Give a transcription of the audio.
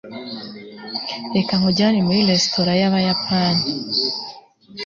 reka nkujyane muri resitora y'abayapani